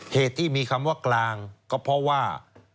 เหตุที่มีคำว่ากลางก็เพราะว่า